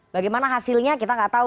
bagaimana hasilnya kita nggak tahu